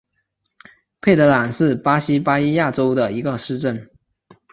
佩德朗是巴西巴伊亚州的一个市镇。